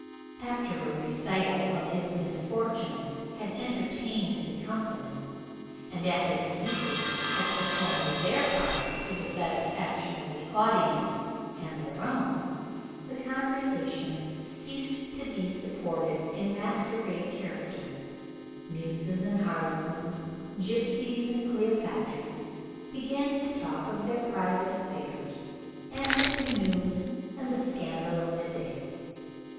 After a recital of his misfortune had entertained the company, and after the muses had performed their parts to the satisfaction of the audience and their own, the conversation ceased to be supported in masquerade character; muses and harlequins, gipsies and Cleopatras, began to talk of their private affairs, and of the news and the scandal of the day.